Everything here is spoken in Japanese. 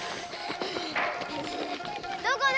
どこだ？